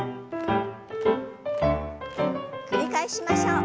繰り返しましょう。